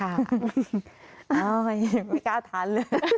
อ้าวเหมือนก้าทาน